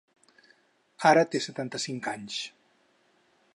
Ara té setanta-cinc anys.